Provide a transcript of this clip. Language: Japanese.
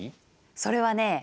それはね